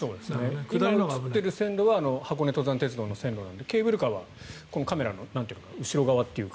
今、映っている線路は箱根登山鉄道の線路なのでケーブルカーはこのカメラの後ろ側というか。